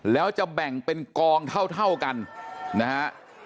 แล้วจะแบ่งเป็นกองเท่ากันนะฮะ